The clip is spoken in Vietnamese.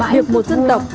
được một dân tộc